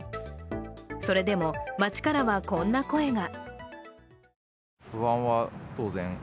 それでも、街からはこんな声が。